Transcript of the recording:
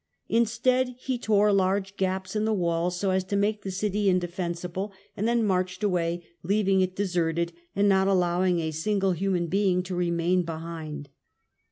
Instead, he tore large gaps in the walls, so as to make the city indefensible, and then marched away leaving it deserted, and not allowing a single human being to remain behind.